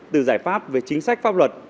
từ giải pháp về chính sách pháp luật